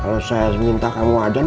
kalau saya minta kamu adam